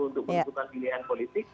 untuk mengikuti pilihan politik